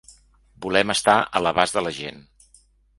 Volem estar a l’abast de la gent.